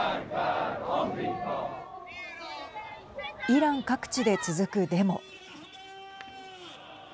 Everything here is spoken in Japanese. イラン各地で続くデモ。